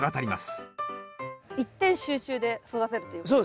一点集中で育てるということですか？